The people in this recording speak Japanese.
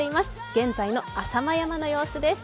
現在の浅間山の様子です。